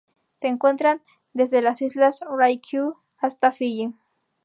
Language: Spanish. Se encuentran desde las Islas Ryukyu hasta Fiyi.